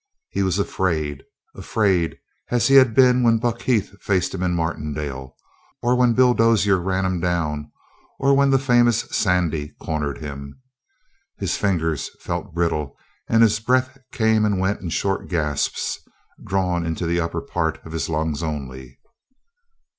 He was afraid, afraid as he had been when Buck Heath faced him in Martindale, or when Bill Dozier ran him down, or when the famous Sandy cornered him. His fingers felt brittle, and his breath came and went in short gasps, drawn into the upper part of his lungs only.